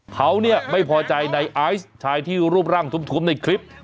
เขาเนี่ยไม่พอใจในไอซ์ชายที่รูปร่างทวมในคลิป